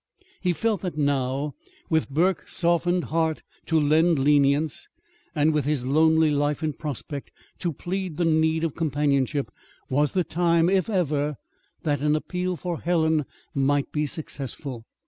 He felt that now, with Burke's softened heart to lend lenience, and with his lonely life in prospect to plead the need of companionship, was the time, if ever, that an appeal for Helen might be successful.